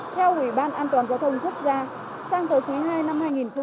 theo ủy ban an toàn giao thông quốc gia sang tới thứ hai năm hai nghìn hai mươi hai